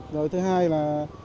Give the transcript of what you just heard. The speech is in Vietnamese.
rồi thứ hai là